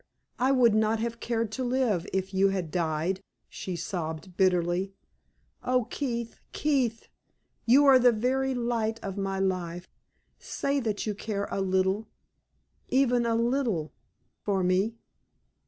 "I would not have cared to live if you had died," she sobbed, bitterly. "Oh, Keith Keith! You are the very light of my life! Say that you care a little even a little for me!"